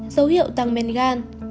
dấu hiệu tăng men gan